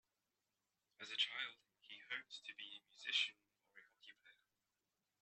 As a child he hoped to be a musician or a hockey player.